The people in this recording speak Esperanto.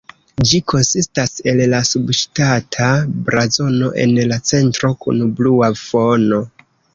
Ĝi konsistas el la subŝtata blazono en la centro kun blua fono.